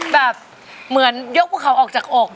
แบบเหมือนยกพวกเขาออกจากอก